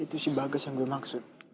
itu si bagus yang gua maksud